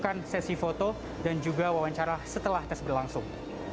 kita akan sesi foto dan juga wawancara setelah tes berlangsung